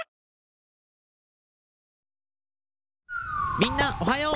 みんなおはよう！